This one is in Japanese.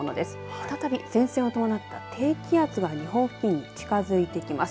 再び前線を伴った低気圧が日本付近に近づいできます。